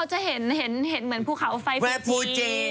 เห็นเหมือนภูเขาไฟฟูเจี